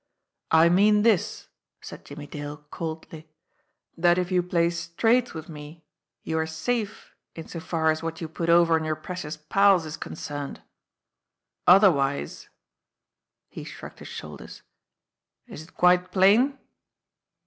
"I mean this," said Jimmie Dale coldly, "that if you play straight with me, you are safe in so far as what you put over on your precious pals is concerned. Otherwise " He shrugged his shoulders. "Is it quite plain?"